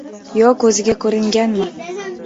Yo ko‘ziga ko‘ringanmi...